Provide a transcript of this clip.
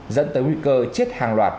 dẫn tới nguy cơ chết hàng loạt